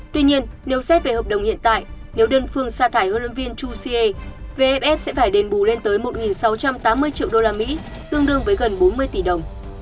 tuy nhiên nếu xét về hợp đồng hiện tại nếu đơn phương xa thải huấn luyện viên chusea vff sẽ phải đền bù lên tới một sáu trăm tám mươi triệu usd tương đương với gần bốn mươi tỷ đồng